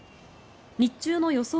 日中の予想